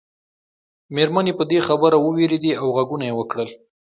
مېرمنې په دې خبره ووېرېدې او غږونه یې وکړل.